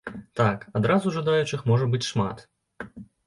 Так, адразу жадаючых можа быць шмат.